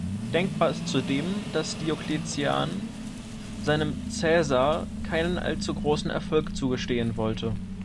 Denkbar ist zudem, dass Diokletian seinem "Caesar" keinen allzu großen Erfolg zugestehen wollte.